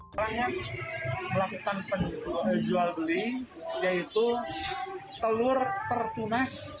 harganya melakukan penjual beli yaitu telur invertil